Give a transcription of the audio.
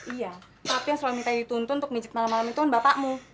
iya tapi yang selalu minta dituntun untuk menijik malam malam itu kan bapakmu